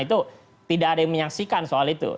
itu tidak ada yang menyaksikan soal itu